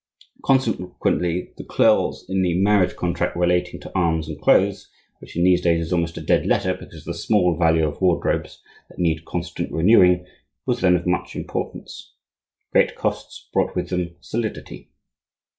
Consequently the clause in the marriage contract relating to arms and clothes, which in these days is almost a dead letter because of the small value of wardrobes that need constant renewing, was then of much importance. Great costs brought with them solidity.